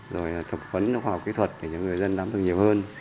rồi là thực phấn khoa học kỹ thuật để cho người dân nắm được nhiều hơn